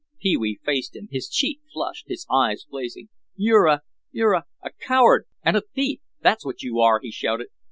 Pee wee faced him, his cheek flushed, his eyes blazing. "You're a—you're a—coward—and a thief—that's what you are," he shouted.